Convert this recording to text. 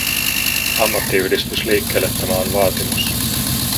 Ammattiyhdistysliikkeelle tämä on vaatimus.